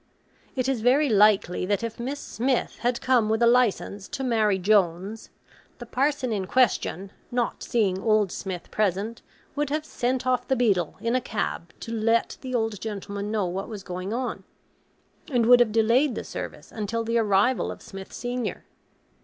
It is very likely that if Miss Smith had come with a licence to marry Jones, the parson in question, not seeing old Smith present, would have sent off the beadle in a cab to let the old gentleman know what was going on; and would have delayed the service until the arrival of Smith senior.